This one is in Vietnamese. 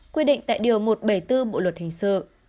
quy định tại điều một trăm bảy mươi bốn bộ luật hình sự